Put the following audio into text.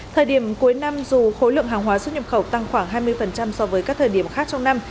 thời điểm cuối năm dù khối lượng hàng hóa xuất nhập khẩu tăng khoảng hai mươi so với các thời điểm khác trong năm